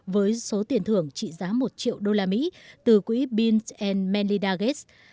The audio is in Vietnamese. với số tiền thưởng trị giá một triệu đô la mỹ từ quỹ beans manly dagets